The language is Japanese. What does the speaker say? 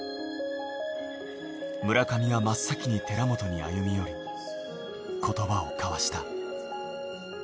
村上が真っ先に寺本に歩み寄り、ことばを交わした。